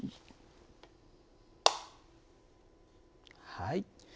はい。